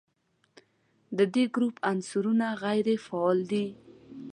د دې ګروپ عنصرونه غیر فعال دي.